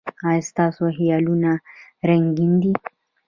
ایا ستاسو خیالونه رنګین دي؟